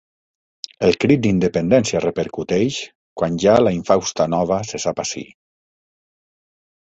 El crit d'independència repercuteix quan ja la infausta nova se sap ací.